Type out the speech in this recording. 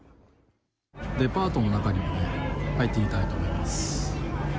デパートの中に入ってみたいと思います。